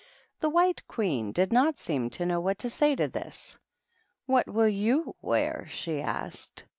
The White Queen did not seem to know what to say to this. " What will you wear ?" she asked.